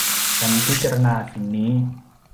ฉันพิจารณาสิ่งนี้